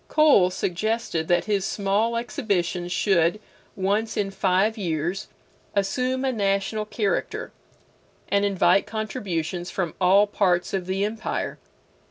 Cole suggested that his small exhibitions should, once in five years, assume a national character, and invite contributions from all parts of the empire.